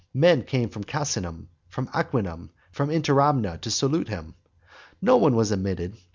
Men came from Casinum, from Aquinum, from Interamna to salute him. No one was admitted.